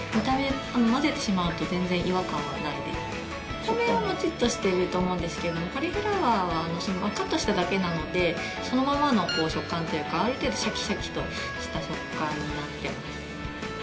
お米はモチッとしていると思うんですけどカリフラワーはカットしただけなのでそのままの食感というかある程度シャキシャキとした食感になっています。